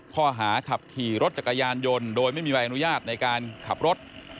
ข้อหาขับขี่รถจักรยานยนต์โดยไม่มีใบอนุญาตในการขับรถ